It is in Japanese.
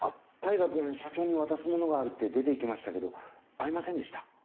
大牙君社長に渡すものがあるって出て行きましたけど会いませんでした？